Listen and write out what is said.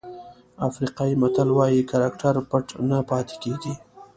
افریقایي متل وایي کرکټر پټ نه پاتې کېږي.